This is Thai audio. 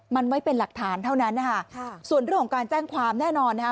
มันไว้เป็นหลักฐานเท่านั้นนะคะค่ะส่วนเรื่องของการแจ้งความแน่นอนนะคะ